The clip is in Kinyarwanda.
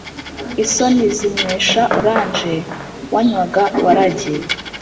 • isoni zinywesha orange wanywaga waragi